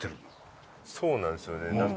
そうなんですよね。